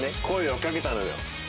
声をかけたのよ。